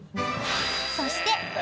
［そして］